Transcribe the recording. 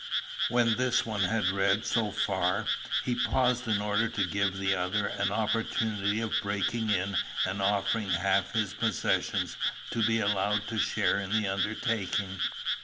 "When this one had read so far, he paused in order to give the other an opportunity of breaking in and offering half his possessions to be allowed to share in the undertaking.